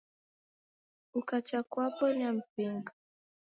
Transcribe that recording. Ukacha kwapo niamw'inga.